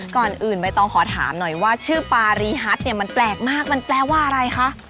ก่อนอื่นใบตองขอถามหน่อยว่าชื่อปารีฮัตเนี่ยมันแปลกมากมันแปลว่าอะไรคะ